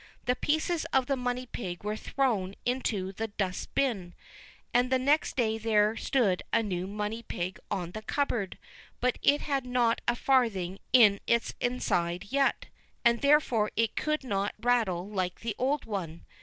The pieces of the money pig were thrown into the dust bin, and the next day there stood a new money pig on the cupboard, but it had not a farthing in its inside yet, and therefore it could not rattle like the old one.